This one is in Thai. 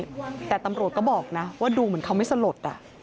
แต่ตำรวจก็บอกนะว่าดูเหมือนเขาไม่สลด